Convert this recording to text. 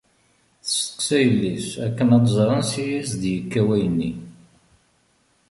Testeqsa yelli-s akken ad tẓer ansi i as-id-yekka wayen-nni.